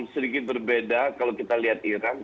sedikit berbeda kalau kita lihat iran